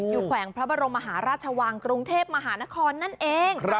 แขวงพระบรมมหาราชวังกรุงเทพมหานครนั่นเอง